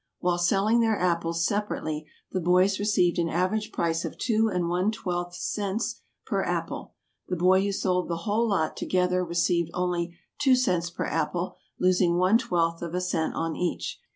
While selling their apples separately the boys received an average price of two and one twelfth cents per apple. The boy who sold the whole lot together received only two cents per apple, losing one twelfth of a cent on each.